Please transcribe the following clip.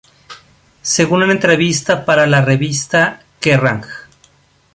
Según una entrevista para la revista Kerrang!